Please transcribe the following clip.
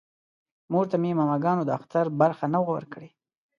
مور ته مې ماماګانو د اختر برخه نه وه ورکړې